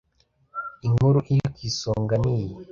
Inkuru iri kw'isonga niyi